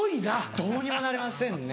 どうにもなりませんね。